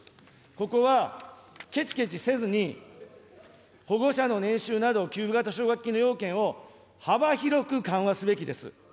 ここはケチケチせずに、保護者の年収など、給付型奨学金の要件を幅広く緩和すべきです。